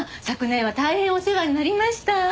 昨年は大変お世話になりました。